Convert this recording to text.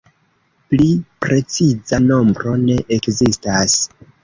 Pli preciza nombro ne ekzistas.